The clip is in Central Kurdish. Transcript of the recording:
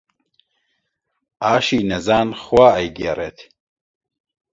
ئاشی نەزان خوا ئەیگێڕێت